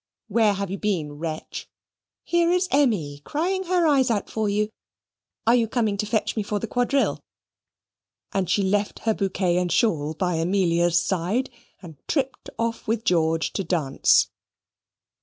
Where have you been, wretch? Here is Emmy crying her eyes out for you. Are you coming to fetch me for the quadrille?" And she left her bouquet and shawl by Amelia's side, and tripped off with George to dance.